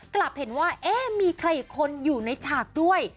กลับเห็นว่าเอ๊ะมีใครอีกคนอยู่ในฉากด้วย